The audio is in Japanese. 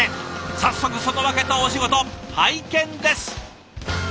早速その訳とお仕事拝見です。